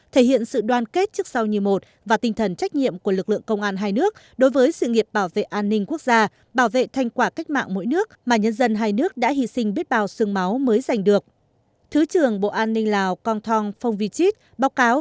thể hiện sự đoàn kết trước sau như một và tinh thần trách nhiệm của lực lượng công an hai nước đối với sự nghiệp bảo vệ an ninh quốc gia bảo vệ thành quả cách mạng mỗi nước mà nhân dân hai nước đã hy sinh biết bao sương máu mới giành được